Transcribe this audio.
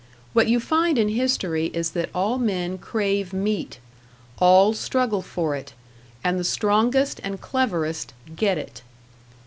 What you find in history is that all men crave meat, all struggle for it, and the strongest and cleverest get it.